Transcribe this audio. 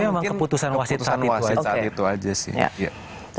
ini memang keputusan wasid saat itu aja sih